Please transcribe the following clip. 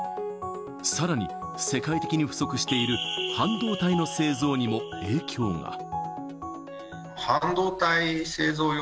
さらに、世界的に不足している半導体の製造にも影響が。